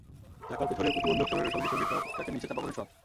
চাকার পেছনের প্রতিবন্ধক সরানোর সঙ্গে সঙ্গে ট্রাকের নিচে চাপা পড়েন সোহাগ।